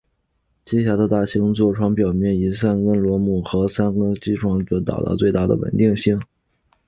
机匣的大型座床表面以三根螺钉与铝合金制造的座床块连接以达到最大的稳定性。